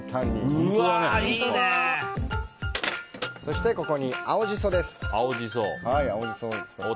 そして、ここに青ジソです。